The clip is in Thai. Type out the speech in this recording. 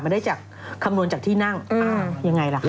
ได้จากคำนวณจากที่นั่งยังไงล่ะคะ